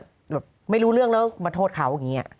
แบบไม่รู้เรื่องแล้วมาโทษเขาอย่างนี้